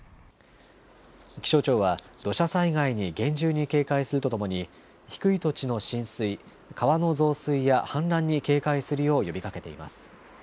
気象庁は土砂災害に厳重に警戒するとともに低い土地の浸水、川の増水や氾濫に警戒するよう呼びかけています。